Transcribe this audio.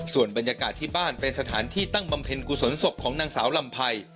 ส่วนบรรยากาศที่บ้านเป็นสถานที่ตั้งบำเพ็ญกุศลศพของนางสาวลำไพร